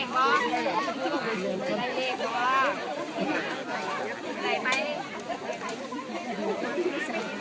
ไม่เล็กหรอก